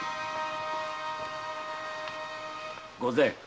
御前。